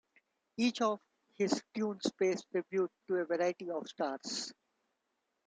Each of his tunes pays tribute to a variety of stars.